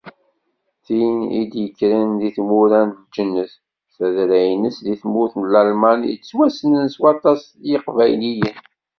D tin i d-yekkren deg tmura n lǧennet, tadra-ines seg tmurt n Lalman yettwassnen s waṭas n Yiqbayliyen.